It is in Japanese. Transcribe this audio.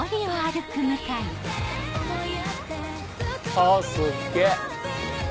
あすっげぇ。